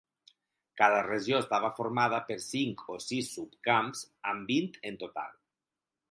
Cada regió estava formada per cinc o sis subcamps, amb vint en total.